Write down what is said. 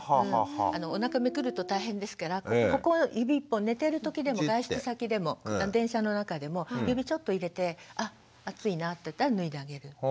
おなかめくると大変ですからここ指１本寝てる時でも外出先でも電車の中でも指ちょっと入れてあ暑いなっていったら脱いであげる。